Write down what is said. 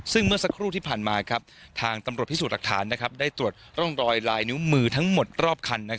ซึ่งเมื่อสักครู่ที่ผ่านมาทางตำรวจพิสูจน์หลักฐานได้ตรวจร่องรอยลายนิ้วมือทั้งหมดรอบคัน